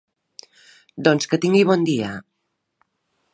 Doncs que tingui bon dia.